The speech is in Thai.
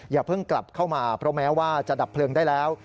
อย่าเพิ่งกลับเข้ามาเพราะแม้ว่าจะดับเพลิงได้แล้ว